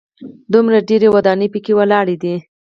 دومره ډېرې ودانۍ په کې ولاړې دي.